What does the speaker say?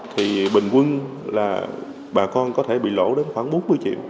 thì bình quân là bà con có thể bị lỗ đến khoảng bốn mươi triệu